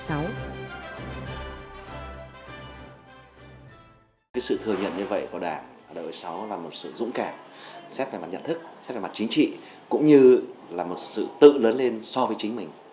cái sự thừa nhận như vậy của đảng đại hội sáu là một sự dũng cảm xét về mặt nhận thức xét về mặt chính trị cũng như là một sự tự lớn lên so với chính mình